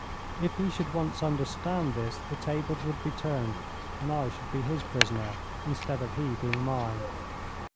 If he should once understand this the tables would be turned, and I should be his prisoner instead of he being mine.